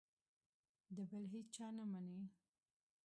د بل هېچا نه مني.